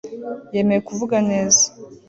Yemeye kuvuga neza